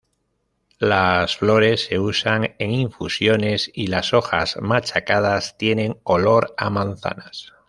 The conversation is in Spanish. Las flores se usan en infusiones y las hojas machacadas tienen olor a manzanas.